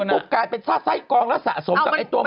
วันนี้ปุ๊บกลายเป็นไส้กองแล้วสะสมกับไอ้ตัวใหม่